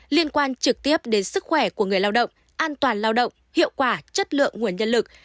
liên quan trực tiếp đến sức khỏe của người lao động an toàn lao động hiệu quả chất lượng nguồn nhân lực